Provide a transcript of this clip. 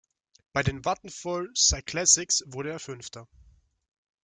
Bei den Vattenfall Cyclassics wurde er Fünfter.